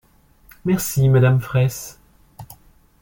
Merci, madame Fraysse.